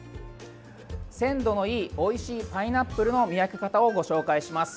鮮度のいいおいしいパイナップルの見分け方をご紹介します。